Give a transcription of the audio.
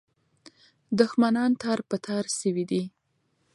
دښمنان تار په تار سوي دي.